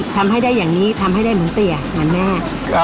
ทำให้ได้อย่างนี้ทำให้ได้เหมือนเตี๋ยเหมือนแม่